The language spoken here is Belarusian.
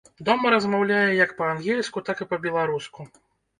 Дома размаўляе як па-ангельску, так і па-беларуску.